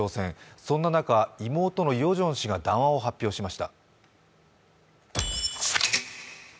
そんな中、妹のヨジョン氏が談話を発表しました。